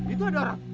itu ada orang